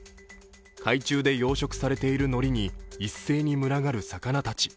海中で養殖されているのりに一斉に群がる魚たち。